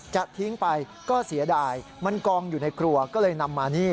จะทิ้งไปก็เสียดายมันกองอยู่ในครัวก็เลยนำมานี่